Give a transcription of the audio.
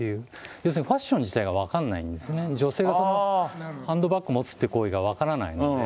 要するにファッション自体が分からないんですね、女性がハンドバッグ持つっていう行為が分からないので。